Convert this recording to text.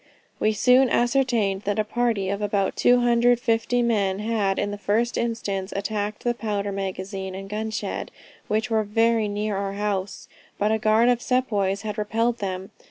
We soon ascertained that a party of about 250 men had in the first instance attacked the powder magazine and gun shed, which were very near our house, but a guard of sepoys had repelled them.